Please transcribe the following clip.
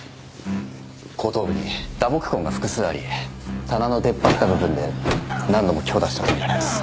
後頭部に打撲痕が複数あり棚の出っ張った部分で何度も強打したとみられます。